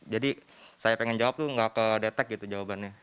jadi saya pengen jawab tuh gak ke detect gitu jawabannya